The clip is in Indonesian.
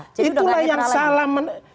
jadi sudah tidak netral lagi